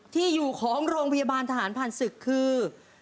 ที่อยู่ของโรงพยาบาลทหารผ่านศึกคือ